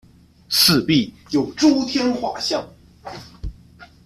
四壁有诸天画像。